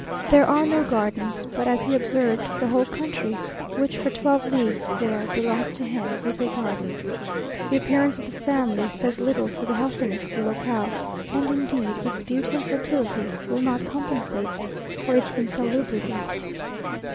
There are no gardens, but, as he observed, the whole country, which for twelve leagues square belongs to him, is a garden. The appearance of the family says little for the healthiness of the locale; and indeed its beauty and fertility will not compensate for its insalubrity.